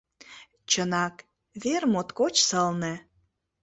Чынак, вер моткоч сылне.